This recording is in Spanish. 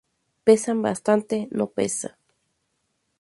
pesan bastante. no pesan.